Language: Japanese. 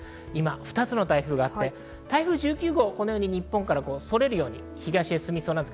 ２つの台風があって台風１９号、日本から反れるように東に進みそうです。